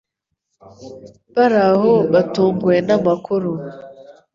Abari aho batunguwe namakuru.